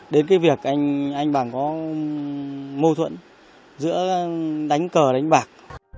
đến cái việc anh bằng có mâu thuẫn giữa đánh cờ đánh bạc